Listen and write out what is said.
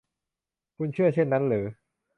คุณเชื่อเช่นนั้นหรือ